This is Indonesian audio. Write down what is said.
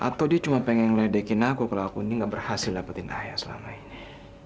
atau dia cuma pengen ledekin aku kalau aku ini gak berhasil dapetin ayah selama ini